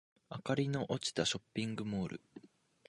明かりの落ちたショッピングモール